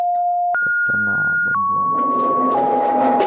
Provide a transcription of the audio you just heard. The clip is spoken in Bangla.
অন্য যে-কেউ হলে প্রথম সুযোগেই ঘটনাটা বন্ধুবান্ধবদের বলত।